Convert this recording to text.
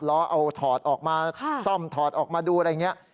ล้อเอาถอดออกมาซ่อมถอดออกมาดูอะไรอย่างนี้